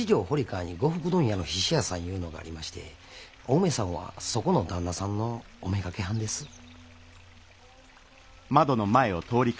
堀川に呉服問屋の菱屋さんいうのがありましてお梅さんはそこの旦那さんのお妾はんです。